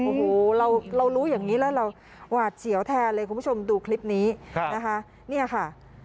โอ้โหเรารู้อย่างนี้แล้วเราหวาดเสียวแทนเลยคุณผู้ชมดูคลิปนี้นะคะเนี่ยค่ะ